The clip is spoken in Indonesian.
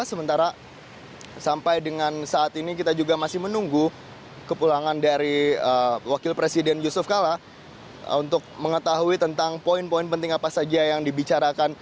sementara sampai dengan saat ini kita juga masih menunggu kepulangan dari wakil presiden yusuf kala untuk mengetahui tentang poin poin penting apa saja yang dibicarakan